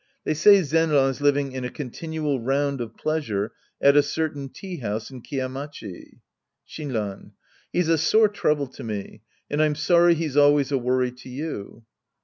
They say Zenran's living in a con tinual round of pleasure at a certain tea house in Kiya Machi. Shinran. He's a sore trouble to me. And I'm sorry he's always a worry to you.